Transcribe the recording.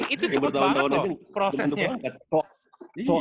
itu cepet banget kok prosesnya